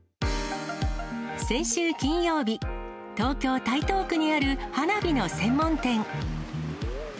先週金曜日、東京・台東区にある花火の専門店。